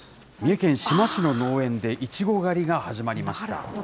三重県志摩市の農園で、イチゴ狩りが始まりました。